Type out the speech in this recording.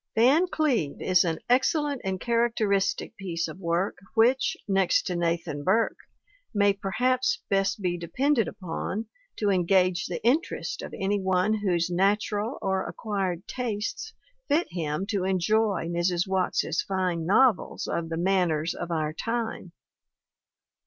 Van Cleve is an excellent and characteristic piece of work which, next to Nathan Burke, may perhaps MARY S. WATTS 197 best be depended upon to engage the interest of any one whose natural or acquired tastes fit him to enjoy Mrs. Watts's fine novels of the manners of our time.